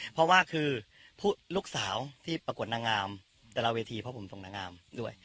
เพราะว่าคือลูกสาวที่ปรากฏนางงามแต่ละเวทีเพราะผมส่งนางงามด้วย